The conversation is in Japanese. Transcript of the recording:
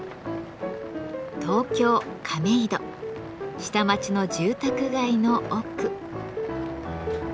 下町の住宅街の奥。